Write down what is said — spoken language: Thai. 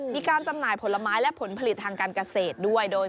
มีการจำหน่ายผลไม้และผลผลิตทางการกเศษด้วย